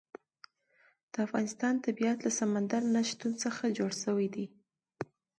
د افغانستان طبیعت له سمندر نه شتون څخه جوړ شوی دی.